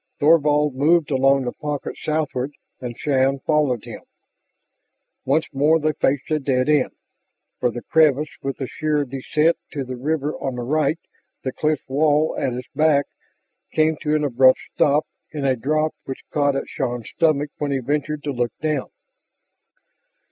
Thorvald moved along the pocket southward, and Shann followed him. Once more they faced a dead end. For the crevice, with the sheer descent to the river on the right, the cliff wall at its back, came to an abrupt stop in a drop which caught at Shann's stomach when he ventured to look down.